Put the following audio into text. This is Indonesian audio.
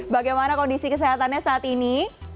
bagaimana kondisi kesehatannya saat ini